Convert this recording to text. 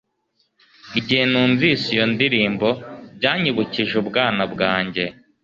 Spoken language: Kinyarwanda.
Igihe numvise iyo ndirimbo byanyibukije ubwana bwanjye